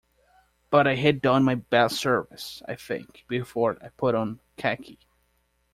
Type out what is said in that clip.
But I had done my best service, I think, before I put on khaki.